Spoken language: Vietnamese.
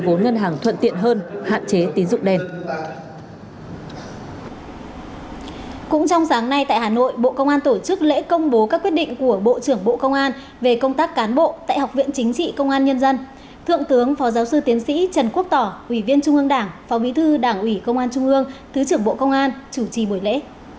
cũng trong sáng nay tại hà nội bộ công an tổ chức lễ công bố các quyết định của bộ trưởng bộ công an về công tác cán bộ tại học viện chính trị công an nhân dân thượng tướng phó giáo sư tiến sĩ trần quốc tỏ ủy viên trung ương đảng phó bí thư đảng ủy công an trung ương thứ trưởng bộ công an chủ trì buổi lễ